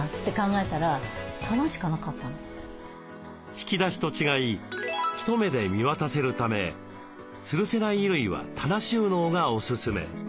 引き出しと違い一目で見渡せるためつるせない衣類は棚収納がおすすめ。